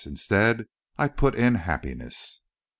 Instead, I put in happiness."